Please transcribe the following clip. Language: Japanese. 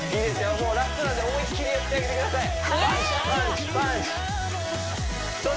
もうラストなんで思いっきりやってあげてくださいイエーイ！